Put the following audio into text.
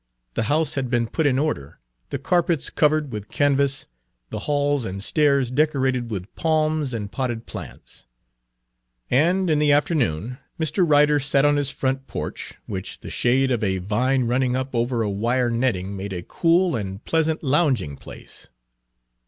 The house had been put in order, the carpets covered with canvas, the halls and stairs decorated with palms and potted plants; and in the afternoon Mr. Ryder sat on his front porch, which the shade of a vine running up over a wire netting made a cool and pleasant lounging place.